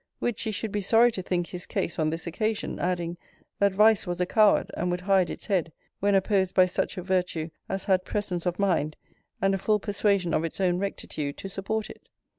Which she should be sorry to think his case on this occasion: adding, 'That vice was a coward, and would hide its head, when opposed by such a virtue as had presence of mind, and a full persuasion of its own rectitude to support it.'